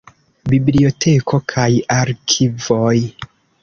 Biblioteko kaj arkivoj.